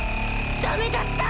ダメだった！